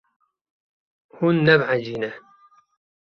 Hûn nebehecî ne.